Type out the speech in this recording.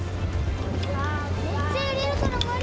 めっちゃ揺れるから無理。